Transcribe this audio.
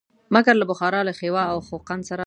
مګر که بخارا له خیوا او خوقند سره لاس یو کړي.